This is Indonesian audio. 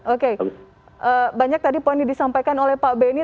oke banyak tadi poin yang disampaikan oleh pak benny